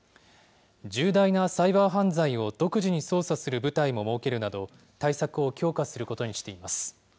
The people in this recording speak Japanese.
重大なサイバー犯罪を独自に捜査する部隊も設けるなど、対策を強化することにしています。